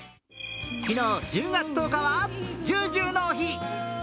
昨日１０月１０日はＪＵＪＵの日。